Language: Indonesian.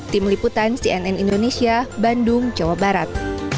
tim liputan cnn indonesia bandung jawa barat